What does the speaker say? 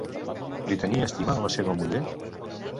Li tenia estima a la seva muller?